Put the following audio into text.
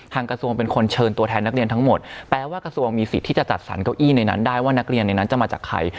กระทรวงเป็นคนเชิญตัวแทนนักเรียนทั้งหมดแปลว่ากระทรวงมีสิทธิ์ที่จะจัดสรรเก้าอี้ในนั้นได้ว่านักเรียนในนั้นจะมาจากใคร